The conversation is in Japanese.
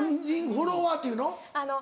フォロワーっていうの？